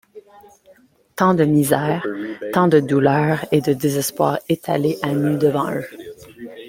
Tant de misère, tant de douleurs et de désespoir étalés à nu devant eux!